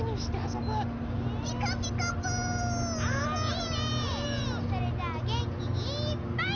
それじゃあげんきいっぱい。